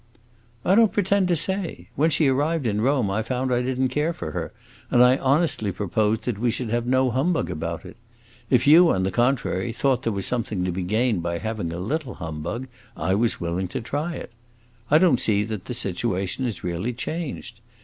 "I don't pretend to say. When she arrived in Rome, I found I did n't care for her, and I honestly proposed that we should have no humbug about it. If you, on the contrary, thought there was something to be gained by having a little humbug, I was willing to try it! I don't see that the situation is really changed.